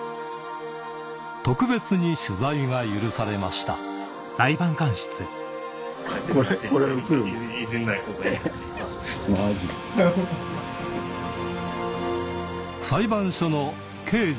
特別に取材が許されました裁判所の刑事